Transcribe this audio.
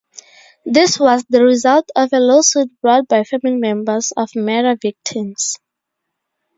This was the result of a lawsuit brought by family members of murder victims.